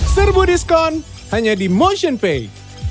serbu diskon hanya di motionpay